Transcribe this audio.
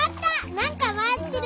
なんかまわってる！